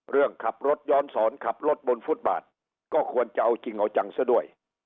เรื่องขับรถย้อนสอนขับรถบนฟุตบาทก็ควรจะเอาจริงเอาจังซะด้วย